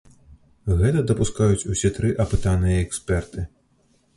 Гэта дапускаюць усе тры апытаныя эксперты.